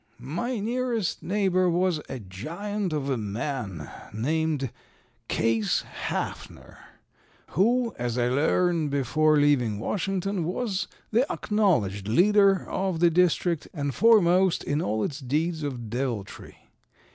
"My nearest neighbor was a giant of a man named Case Haffner, who, as I learned before leaving Washington, was the acknowledged leader of the district and foremost in all its deeds of deviltry.